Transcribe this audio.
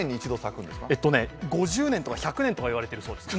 ５０年とか１００年と言われているそうです。